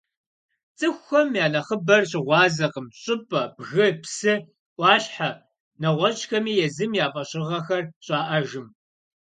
Цӏыхум я нэхъыбэр щыгъуазэкъым щӏыпӏэ, бгы, псы, ӏуащхьэ, нэгъуэщӏхэми езым я фӏэщыгъэхэр щӏаӏэжым.